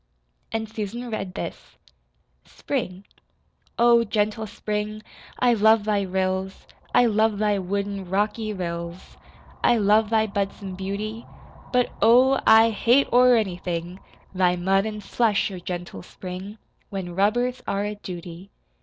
And Susan read this: SPRING Oh, gentle Spring, I love thy rills, I love thy wooden, rocky rills, I love thy budsome beauty. But, oh, I hate o'er anything, Thy mud an' slush, oh, gentle Spring, When rubbers are a duty.